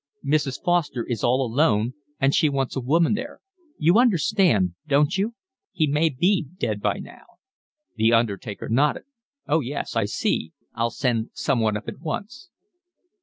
"Mrs. Foster is all alone and she wants a woman there. You understood, don't you? He may be dead by now." The undertaker nodded. "Oh, yes, I see. I'll send someone up at once."